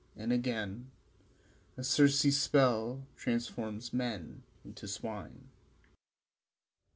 and again A Circe's spells transform men into swine.